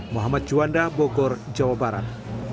muhammad juanda bogor jawa barat